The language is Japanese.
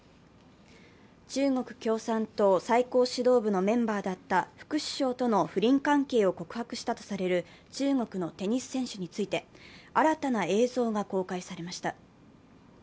中国共産党最高指導部のメンバーだった副首相との不倫関係を告白したとされる中国のテニス選手について、新たな映像が公開されました。